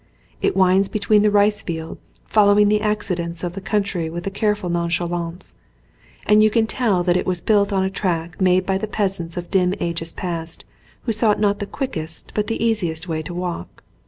It winds between the rice fields following the accidents of the country with a careful nonchalance; and you can tell that it was built on a track made by the peasant of dim ages past who sought not the quickest but the easiest way to walk.